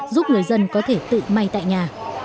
giúp người dân có thể tự may tại nhà